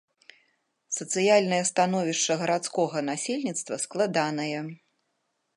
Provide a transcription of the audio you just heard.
Сацыяльная становішча гарадскога насельніцтва складанае.